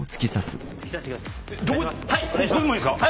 ここでもいいんですか？